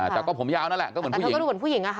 แต่ก็ผมยาวนั่นแหละก็เหมือนผู้หญิง